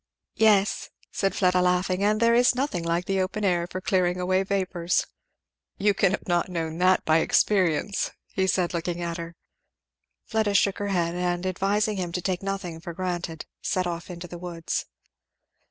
"Yes," said Fleda laughing; "and there is nothing like the open air for clearing away vapours." "You cannot have known that by experience," said he looking at her. Fleda shook her head and advising him to take nothing for granted, set off into the woods.